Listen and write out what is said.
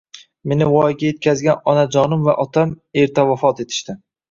Meni voyaga yetkazgan onajonim va otam erta vafot etishdi.